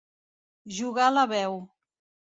Jugar la veu.